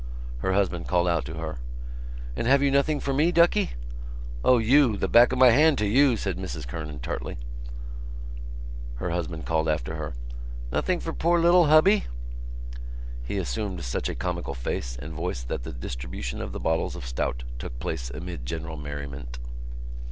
Her husband called out to her: "And have you nothing for me, duckie?" "O, you! The back of my hand to you!" said Mrs Kernan tartly. Her husband called after her: "Nothing for poor little hubby!" He assumed such a comical face and voice that the distribution of the bottles of stout took place amid general merriment.